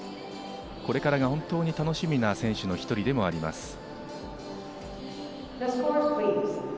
これからが本当に楽しみな選手の１人でもあります。